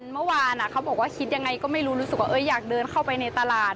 เมื่อวานเขาบอกว่าคิดยังไงก็ไม่รู้รู้สึกว่าอยากเดินเข้าไปในตลาด